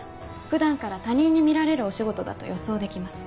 普段から他人に見られるお仕事だと予想できます。